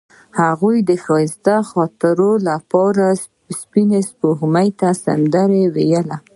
هغې د ښایسته خاطرو لپاره د سپین سپوږمۍ سندره ویله.